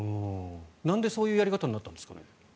なんで、そういうやり方になったんですかね？